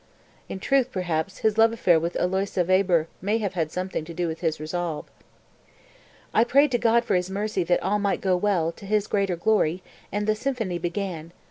In truth, perhaps, his love affair with Aloysia Weber may have had something to do with his resolve.) 247. "I prayed to God for His mercy that all might go well, to His greater glory, and the symphony began....